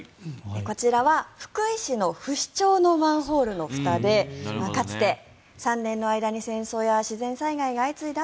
こちらは福井市の不死鳥のマンホールのふたでかつて３年の間に戦争や自然災害が相次いだ